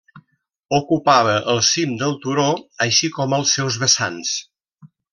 Ocupava el cim del turó, així com els seus vessants.